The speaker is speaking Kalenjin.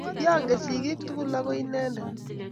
Kiyangee sigiik tugul ago inendet